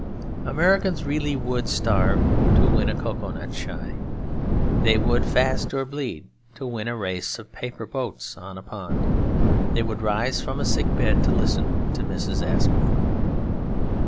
Americans really would starve to win a cocoa nut shy. They would fast or bleed to win a race of paper boats on a pond. They would rise from a sick bed to listen to Mrs. Asquith.